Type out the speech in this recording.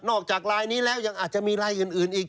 จากลายนี้แล้วยังอาจจะมีลายอื่นอีก